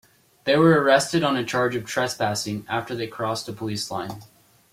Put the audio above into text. They were arrested on a charge of trespassing after they crossed a police line.